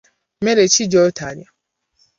Mmere ki gy'otalya?